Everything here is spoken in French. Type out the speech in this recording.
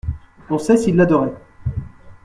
On sait s'il l'adorait.